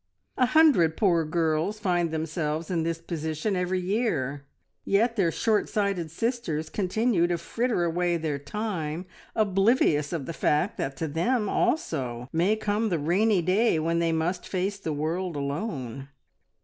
A hundred poor girls find themselves in this position every year, yet their short sighted sisters continue to fritter away their time, oblivious of the fact that to them also may come the rainy day when they must face the world alone.